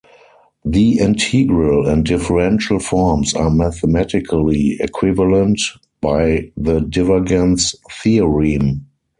The integral and differential forms are mathematically equivalent, by the divergence theorem.